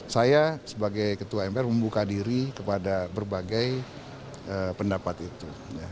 saya sebagai ketua mpr membuka diri kepada berbagai pendapat itu